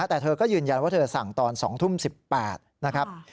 แต่เธอก็ยืนยันว่าเธอสั่งตอน๒ทุ่ม๑๘นะครับ